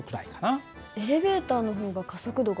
エレベーターの方が加速度が大きいんだ。